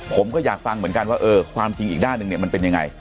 ผมก็อยากฟังเหมือนกันว่าเออความจริงอีกด้านหนึ่งเนี่ยมันเป็นยังไง